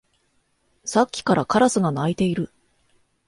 さっきからカラスが鳴いている